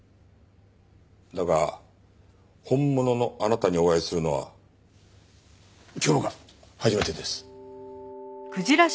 だが本物のあなたにお会いするのは今日が初めてです。